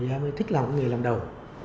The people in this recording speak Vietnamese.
em ấy thích làm nghề làm đầu